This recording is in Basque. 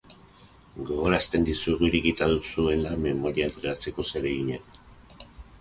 Gogorarazten dizuegu irekita duzuela memoria entregatzeko zeregina.